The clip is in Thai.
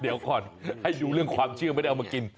เดี๋ยวก่อนให้ดูเรื่องความเชื่อไม่ได้เอามากิน